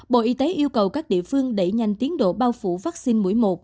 bộ y tế yêu cầu các địa phương đẩy nhanh tiến độ bao phủ vaccine mũi một